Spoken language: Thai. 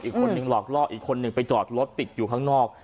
อีกคนนึงหลอกล่ออีกคนหนึ่งไปจอดรถติดอยู่ข้างนอก